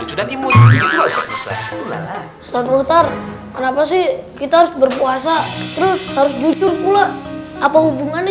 lucu dan imut ustadz muhtar kenapa sih kita berpuasa terus harus jujur pula apa hubungannya